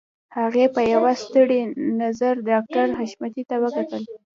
هغې په يوه ستړي نظر ډاکټر حشمتي ته وکتل.